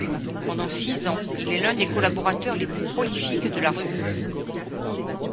Pendant six ans, il est l'un des collaborateurs les plus prolifiques de la revue.